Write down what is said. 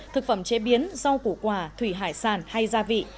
thực phẩm chế biến rau củ quả thủy hải sản hay gia vị